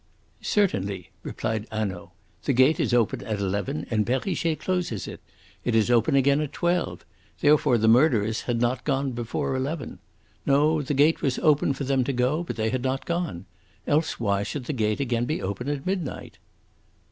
"Certainly," replied Hanaud. "The gate is open at eleven, and Perrichet closes it. It is open again at twelve. Therefore the murderers had not gone before eleven. No; the gate was open for them to go, but they had not gone. Else why should the gate again be open at midnight?"